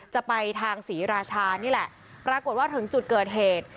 จะไปทางศรีราชานี่แหละปรากฏว่าถึงจุดเกิดเหตุ